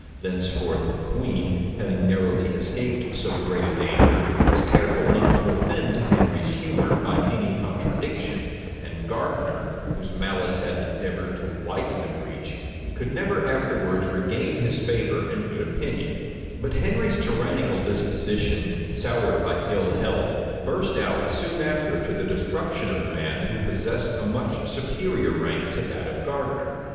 Thenceforth the queen, having narrowly escaped so great a danger, was careful not to offend Henry's humor by any contradiction; and Gardiner, whose malice had endeavored to widen the breach, could never afterwards regain his favor and good opinion.[*] * Burnet, vol. i. p. 344. Herbert, p. 560. Speed p. 780. Fox's Acts and Monuments, vol. ii. p. 58. But Henry's tyrannical disposition, soured by ill health, burst out soon after to the destruction of a man who possessed a much superior rank to that of Gardiner.